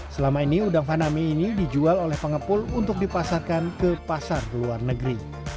selama ini udang faname ini dijual oleh pengepul untuk dipasarkan ke pasar luar negeri